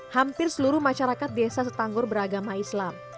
hampir seluruh masyarakat desa setanggor beragama islam